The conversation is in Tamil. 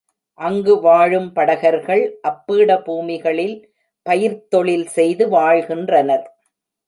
அங்கு வாழும் படகர்கள் அப்பீட பூமிகளில் பயிர்த் தொழில் செய்து வாழ்கின்றனர்.